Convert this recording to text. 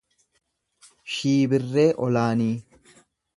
Shiibirree Olaanii